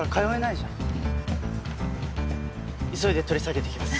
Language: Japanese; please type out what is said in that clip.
急いで取り下げてきます。